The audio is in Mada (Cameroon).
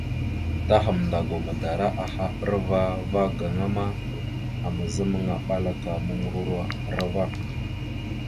Ta Hamndagwa madara aha a ɓəra ava gaŋa ma, azamaŋa aɓal ka muŋgəruro a ɓəra ava.